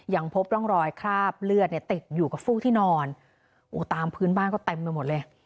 ยังพบร่องรอยคราบเลือดเนี่ยติดอยู่กับฟูกที่นอนตามพื้นบ้านก็เต็มไปหมดเลย